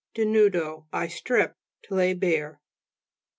denudo, I strip. To lay bare.